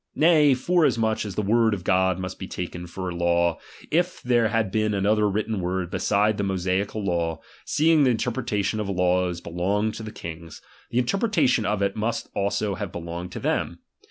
Nay, forasmuch as the word of God must be taken for a law, if there had been another written word beside the Mosaical law, seeing the interpretation of laws belonged to the kings, the interpretation of it must also have belonged to them.